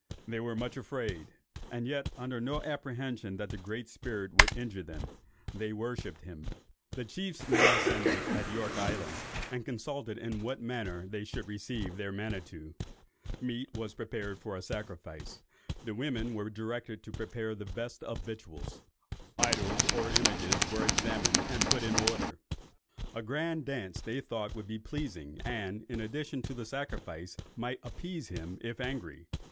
They were much afraid, and yet under no apprehension that the Great Spirit would injure them. They worshipped him. The chiefs now assembled at York Island, and consulted in what manner they should receive their Manitto: meat was prepared for a sacrifice; the women were directed to prepare the best of victuals; idols or images were examined and put in order; a grand dance they thought would be pleasing, and, in addition to the sacrifice, might appease him, if angry.